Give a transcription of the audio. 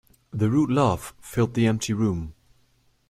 The rude laugh filled the empty room.